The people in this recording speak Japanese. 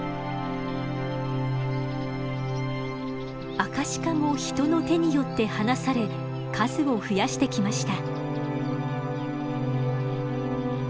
アカシカも人の手によって放され数を増やしてきました。